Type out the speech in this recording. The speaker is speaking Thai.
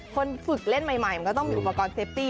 คนฝึกเล่นใหม่มันก็ต้องมีอุปกรณ์เซฟตี้